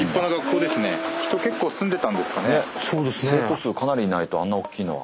生徒数かなりいないとあんなおっきいのは。